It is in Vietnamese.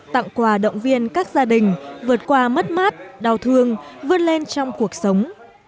tặng quà động viên các gia đình vượt qua mất mát đau thương vươn lên trong cuộc sống